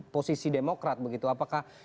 posisi demokrat begitu apakah